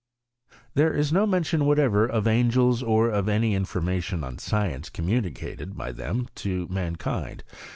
There is no mention whatever of angels, or of any information on science commimicated by them to mankind.